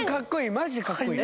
マジでかっこいい。